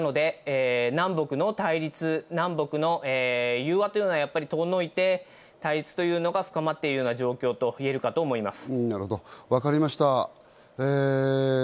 なので、南北の対立、南北の友和は遠のいて、対立というのが深まっているような状況といえるかと思います。